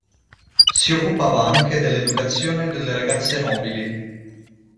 Si occupava anche dell'educazione delle ragazze nobili.